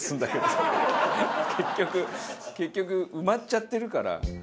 結局結局埋まっちゃってるから。